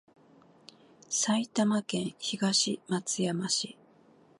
埼玉県東松山市